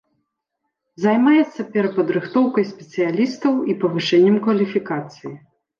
Займаецца перападрыхтоўкай спецыялістаў і павышэннем кваліфікацыі.